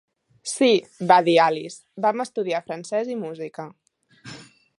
'Sí', va dir Alice, 'vam estudiar francès i música'.